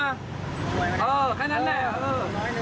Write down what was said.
อ้าวแล้วมึงไปเอาของเขาได้ไง